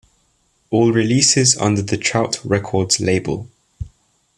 All releases under the Trout Records label.